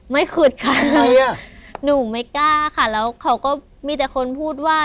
ไม่ขุดค่ะหนูไม่กล้าค่ะแล้วเขาก็มีแต่คนพูดว่า